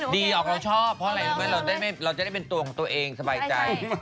ดีออกเราชอบเพราะเราจะได้เป็นตัวของตัวเองสบายใจ